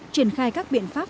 triển khai các biện pháp